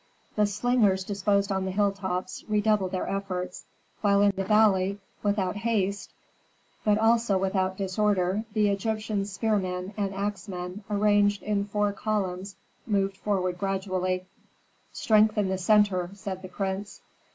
The slingers disposed on the hilltops redoubled their efforts, while in the valley, without haste, but also without disorder, the Egyptian spearmen and axemen arranged in four columns moved forward gradually. "Strengthen the centre," said the prince.